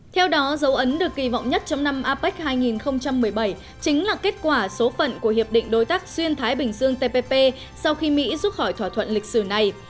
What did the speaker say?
theo đó dấu ấn được kỳ vọng nhất trong năm apec hai nghìn một mươi bảy chính là kết quả số phận của hiệp định đối tác xuyên thái bình dương tpp sau khi mỹ rút khỏi thỏa thuận lịch sử này